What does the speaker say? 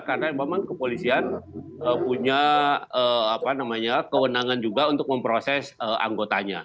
karena memang kepolisian punya kewenangan juga untuk memproses anggotanya